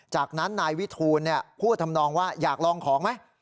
จากนั้นนายวิทูลพูดทำนองว่าอยากลองของไหม